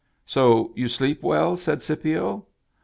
" So you sleep well ?" said Scipio.